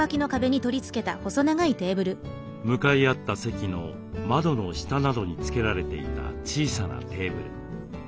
向かい合った席の窓の下などに付けられていた小さなテーブル。